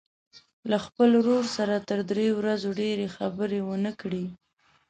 له خپل ورور سره تر درې ورځو ډېرې خبرې ونه کړي.